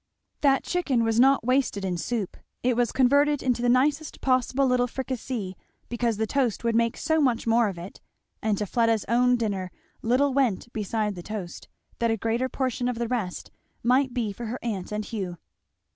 That chicken was not wasted in soup; it was converted into the nicest possible little fricassee, because the toast would make so much more of it; and to Fleda's own dinner little went beside the toast, that a greater portion of the rest might be for her aunt and Hugh.